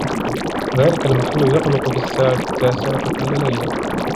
ذلك المحل يغلق في الساعة التاسعة كل ليلة.